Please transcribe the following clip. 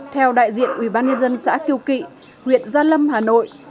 theo đại diện ubnd xã tiêu kỵ huyện gia lâm hà nội